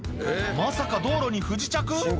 まさか道路に不時着？